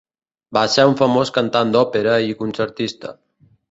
Va ser un famós cantant d'òpera i concertista.